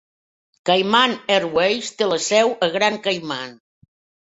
Cayman Airways té la seu a Grand Cayman.